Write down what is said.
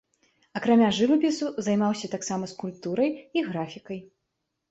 Акрамя жывапісу, займаўся таксама скульптурай і графікай.